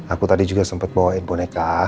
aku tadi juga sempat bawain boneka